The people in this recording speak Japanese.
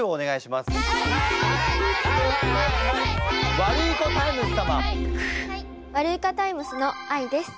ワルイコタイムスのあいです。